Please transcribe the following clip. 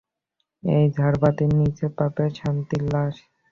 এই ঝারবাতির নীচে পাবে শান্তির লাশ।